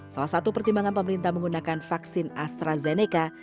salah satu pertimbangan pemerintah menggunakan vaksin astrazeneca